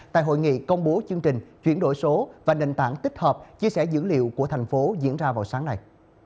để thông bố chương trình chuyển đổi số và nền tảng tích hợp chia sẻ dữ liệu của thành phố diễn ra vào sáng nay